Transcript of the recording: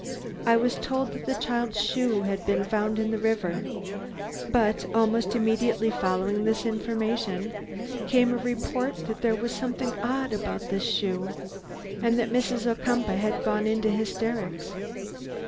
I was told that the child's shoe has been found in the river; but almost immediately following this information came the report that there was something odd about this shoe, and that Mrs. Ocumpaugh had gone into hysterics.